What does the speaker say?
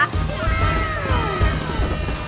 ว้าว